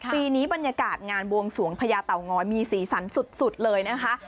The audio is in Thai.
ปีนี้บรรยากาศงานบวงสวงพญาเต่างอยมีสีสันสุดเลยนะคะ